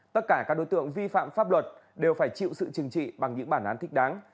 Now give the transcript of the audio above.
tất cả các đối tượng vi phạm pháp luật đều phải chịu sự chừng trị bằng những bản án thích đáng